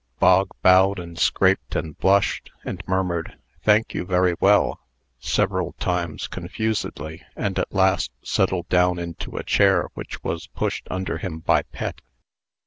Bog bowed and scraped and blushed, and murmured "Thank you, very well," several times, confusedly, and at last settled down into a chair which was pushed under him by Pet.